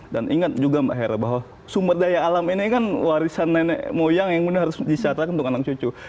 dan ingat juga mbak hera bahwa sumber daya alam ini kan warisan nenek moyang yang harus disiapkan untuk anak cucu